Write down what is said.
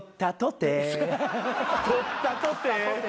取ったとて。